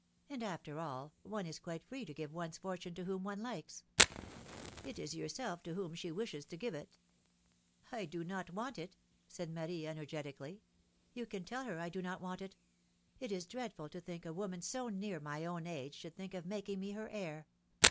And after all, one is quite free to give one's fortune to whom one likes !" It is yourself to whom she wishes to give it !" do not want it! " said Marie, energetically. You can tell her I do not want it ! It is dreadful to think a woman so near my own age should think of making me her heir.